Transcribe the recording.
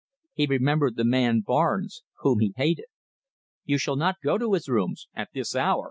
He remembered the man Barnes, whom he hated. "You shall not go to his rooms at this hour!"